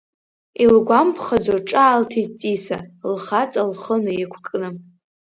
Илгәамԥхаӡо ҿаалҭит Ҵиса, лхаҵа лхы наиқәкны.